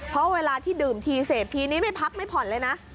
เพราะเวลาที่ดื่มทีเสพทีนี้ไม่พักไม่ผ่อนเลยนะ